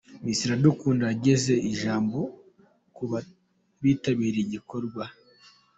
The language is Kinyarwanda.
Miss Iradukunda ageza ijambo ku bitabiriye iki gikorwa.